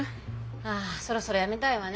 ああそろそろやめたいわね。